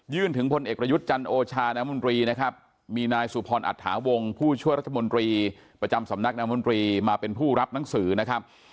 ถึงพลเอกประยุทธ์จันโอชาน้ำมนตรีนะครับมีนายสุพรอัตถาวงผู้ช่วยรัฐมนตรีประจำสำนักนามนตรีมาเป็นผู้รับหนังสือนะครับ